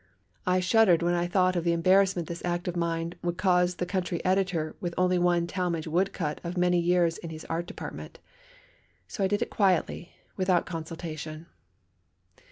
I shuddered when I thought of the embarrassment this act of mine would cause the country editor with only one Talmage woodcut of many years in his art department. So I did it quietly, without consultation.